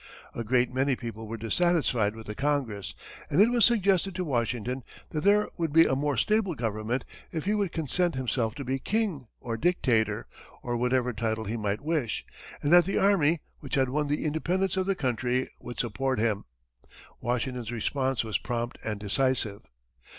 A great many people were dissatisfied with the Congress, and it was suggested to Washington that there would be a more stable government if he would consent himself to be King or Dictator, or whatever title he might wish, and that the army, which had won the independence of the country, would support him. Washington's response was prompt and decisive.